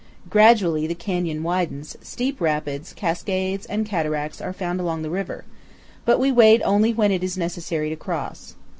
Gradually the canyon widens; steep rapids, cascades, and cataracts are found along the river, but we wade only when it is necessary to cross.